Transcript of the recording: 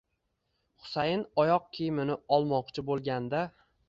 Husayin oyoq kiyimini olmoqchi bo'lganda